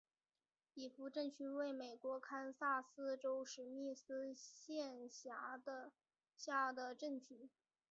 比弗镇区为美国堪萨斯州史密斯县辖下的镇区。